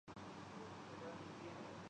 وزیر اعظم خاندان شریفیہ سے نہیں۔